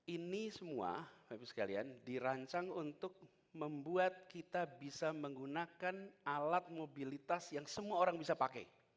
ini semua bapak ibu sekalian dirancang untuk membuat kita bisa menggunakan alat mobilitas yang semua orang bisa pakai